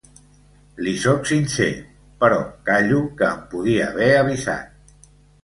Li sóc sincer, però callo que em podia haver avisat.